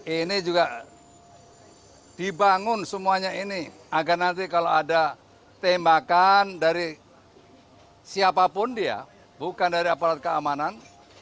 ini juga dibangun semuanya ini agar nanti kalau ada tembakan dari siapapun dia bukan dari aparat keamanan